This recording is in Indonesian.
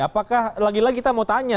apakah lagi lagi kita mau tanya